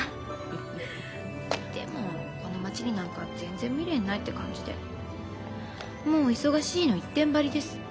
でもこの町になんか全然未練ないって感じでもう忙しいの一点張りです。